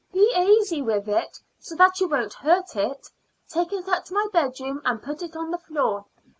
Be aisy with it, so that you won't hurt it. Take it up to my bedroom and put it on the floor.